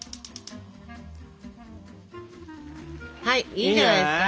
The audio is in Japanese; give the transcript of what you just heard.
はいいいんじゃないですか？